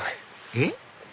えっ？